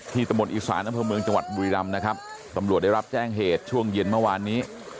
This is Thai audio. ตะมนต์อีสานอำเภอเมืองจังหวัดบุรีรำนะครับตำรวจได้รับแจ้งเหตุช่วงเย็นเมื่อวานนี้